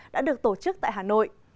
đã được tổ chức tại hà nội